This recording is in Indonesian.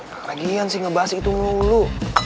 gak lagi gak lagi sih ngebahas itu mulu mulu